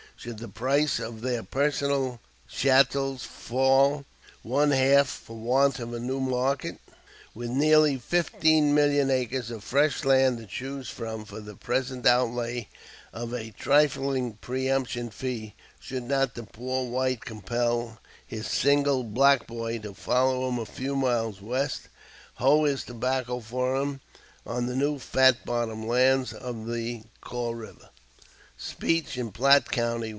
Should the price of their personal "chattels" fall one half for want of a new market? With nearly fifteen million acres of fresh land to choose from for the present outlay of a trifling preemption fee, should not the poor white compel his single "black boy" to follow him a few miles west, and hoe his tobacco for him on the new fat bottom lands of the Kaw River? [Speech in Platte County.